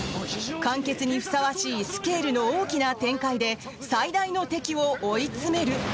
完結にふさわしいスケールの大きな展開で最大の敵を追い詰める！